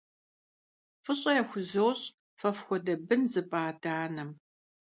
ФӀыщӀэ яхузощӏ фэ фхуэдэ бын зыпӏа адэ-анэм!